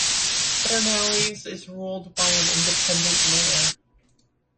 Pedernales is ruled by an independent mayor.